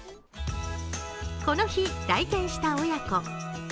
この日、来店した親子。